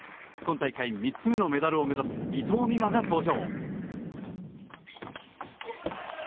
大会３つ目のメダルを目指す伊藤美誠が登場。